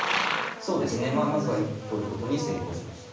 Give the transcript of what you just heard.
そうですねまあまずは一歩取ることに成功しました。